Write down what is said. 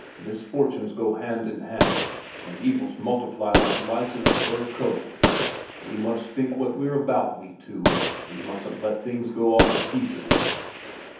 Misfortunes go hand in hand, and evils multiply like lice in a fur coat. We must think what we're about, we two; we mustn't let things go all to pieces!"